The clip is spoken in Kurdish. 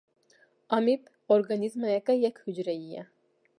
Amîb organîzmayeke yek hucreyî ye.